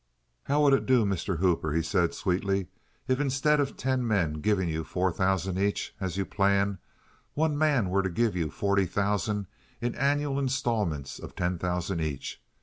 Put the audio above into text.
"How would it do, Mr. Hooper," he said, sweetly, "if, instead of ten men giving you four thousand each, as you plan, one man were to give you forty thousand in annual instalments of ten thousand each?